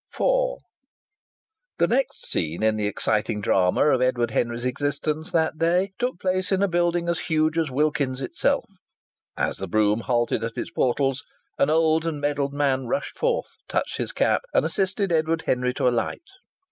IV The next scene in the exciting drama of Edward Henry's existence that day took place in a building as huge as Wilkins's itself. As the brougham halted at its portals an old and medalled man rushed forth, touched his cap, and assisted Edward Henry to alight.